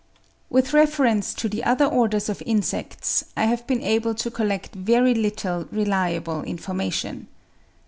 With reference to the other Orders of insects, I have been able to collect very little reliable information.